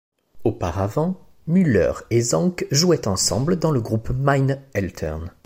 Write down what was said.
Auparavant, Müller et Zank jouaient ensemble dans le groupe Meine Eltern.